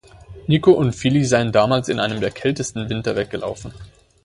Nico und Fili seien damals in einem der kältesten Winter weggelaufen.